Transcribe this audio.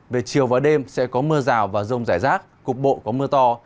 về chiều và đêm sẽ có mưa rào và rông rải rác cục bộ có mưa to